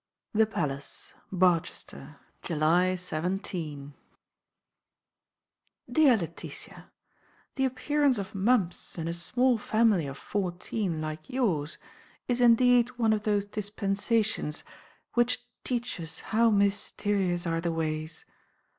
The Palace, Barchester, July 17. DEAR LETITIA,—The appearance of mumps in a small family of fourteen like yours, is indeed one of those dispensations which teach us how mysterious are the ways!